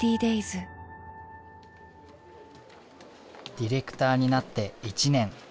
ディレクターになって１年。